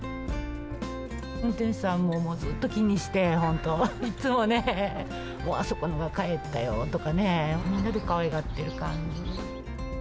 運転手さんもずっと気にして、本当、いつもね、あそこのがかえったよとかね、みんなでかわいがっている感じです。